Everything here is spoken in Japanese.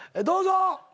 どうぞ！